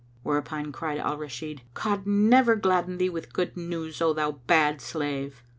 Whereupon cried Al Rashid, "God never gladden thee with good news, O thou bad slave!"